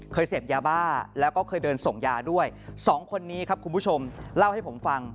เสพยาบ้าแล้วก็เคยเดินส่งยาด้วยสองคนนี้ครับคุณผู้ชมเล่าให้ผมฟัง